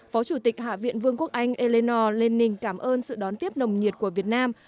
phó chủ tịch hạ viện vương quốc anh eleanor lenning cảm ơn sự đón tiếp nồng nhiệt của việt nam